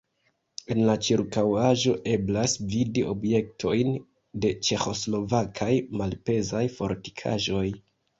En la ĉirkaŭaĵo eblas vidi objektojn de ĉeĥoslovakaj malpezaj fortikaĵoj.